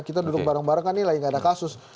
kita duduk bareng bareng kan nilai gak ada kasus